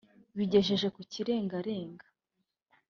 Bigejeje ku kirengarenga